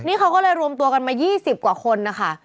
นี่เขาก็เลยรวมตัวกันมา๒๐กว่าคนนะคะ